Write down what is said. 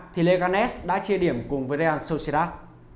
thì leganes đã chia điểm cùng với real sociedad